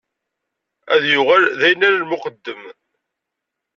Ad yuɣal d ayla n lmuqeddem.